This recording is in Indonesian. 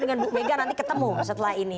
dengan bu mega nanti ketemu setelah ini